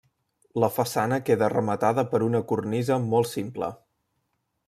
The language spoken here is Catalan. La façana queda rematada per una cornisa molt simple.